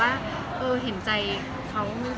บางที่ที่เขาบอกว่าจะไปเจอเราที่นั่นที่นี่